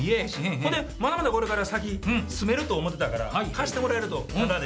ほんでまだまだこれから先住めると思ってたから貸してもらえるとタダで。